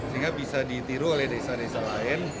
sehingga bisa ditiru oleh desa desa lain